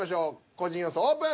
個人予想オープン！